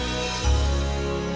kamu bisa mencoba